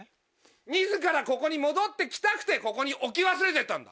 自らここに戻って来たくてここに置き忘れて行ったんだ。